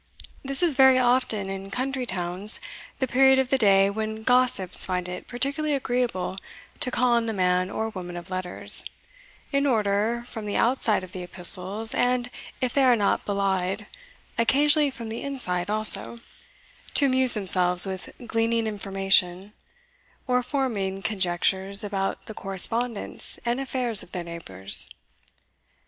This is very often in country towns the period of the day when gossips find it particularly agreeable to call on the man or woman of letters, in order, from the outside of the epistles, and, if they are not belied, occasionally from the inside also, to amuse themselves with gleaning information, or forming conjectures about the correspondence and affairs of their neighbours.